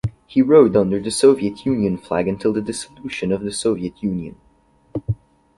He rode under the Soviet Union flag until the Dissolution of the Soviet Union.